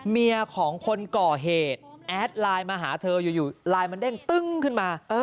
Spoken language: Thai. เมียของคนก่อเหตุแอดไลน์มาหาเธออยู่ไลน์มันเด้งตึ้งขึ้นมา